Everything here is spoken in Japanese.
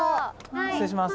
「失礼します」